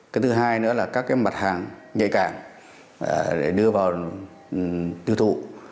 cái thứ hai nữa là các mặt hàng nhạy cảng để đưa vào tiêu thụ